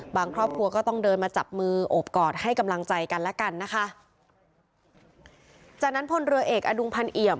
ครอบครัวก็ต้องเดินมาจับมือโอบกอดให้กำลังใจกันแล้วกันนะคะจากนั้นพลเรือเอกอดุงพันเอี่ยม